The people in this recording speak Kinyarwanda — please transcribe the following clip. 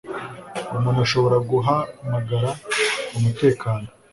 Umuntu ashobora guhamagara umutekano